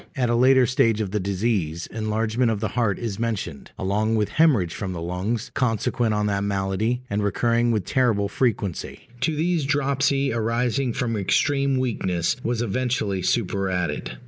At a later stage of the disease, enlargement of the heart is mentioned, along with hæmorrhage from the lungs consequent on that malady, and recurring with terrible frequency: to these dropsy, arising from extreme weakness, was eventually superadded.